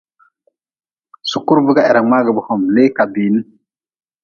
Sukure biga hera mngaagʼbe hom, lee ka biin.